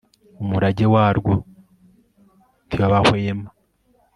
umurage warwo ntiwabahwema